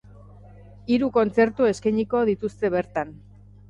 Hiru kontzertu eskainiko dituzte bertan.